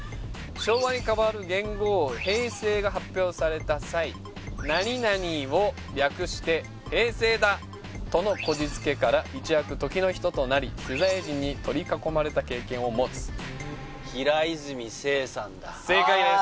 昭和に代わる元号「平成」が発表された際「○○を略して平成だ」とのこじつけから一躍時の人となり取材陣に取り囲まれた経験を持つ正解です